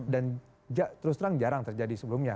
dan terus terang jarang terjadi sebelumnya